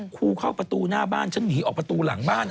เข้าประตูหน้าบ้านฉันหนีออกประตูหลังบ้าน